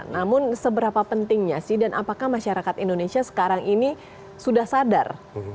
namun seberapa pentingnya sih dan apakah masyarakat indonesia sekarang ini sudah sadar